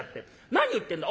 『何を言ってんだ。